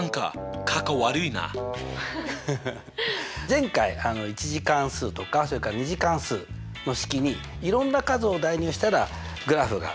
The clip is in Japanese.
前回１次関数とかそれから２次関数の式にいろんな数を代入したらグラフが変わりましたよね。